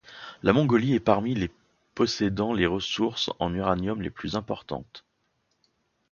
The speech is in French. La Mongolie est parmi les possédant les ressources en uranium les plus importantes.